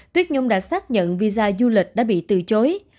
tuyết nhung đã xác nhận visa du lịch đã bị từ chối